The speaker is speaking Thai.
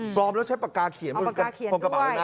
อมแล้วใช้ปากกาเขียนบนกระเป๋าเลยนะ